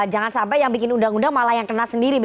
jangan sampai yang bikin undang undang malah yang kena sendiri